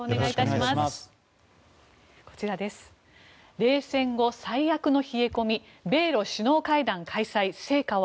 冷戦後最悪の冷え込み米ロ首脳会談開催成果は？